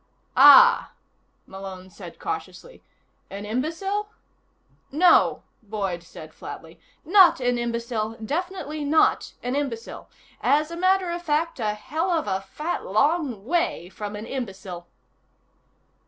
"Ah," Malone said cautiously. "An imbecile?" "No," Boyd said flatly. "Not an imbecile. Definitely not an imbecile. As a matter of fact, a hell of a fat long way from an imbecile."